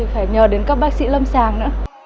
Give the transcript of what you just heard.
phải nhờ đến các bác sĩ lâm sàng nữa